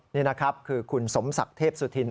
นี่นะครับคือคุณสมศักดิ์เทพสุธิน